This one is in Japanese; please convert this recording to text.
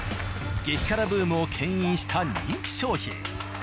激辛ブームを牽引した人気商品。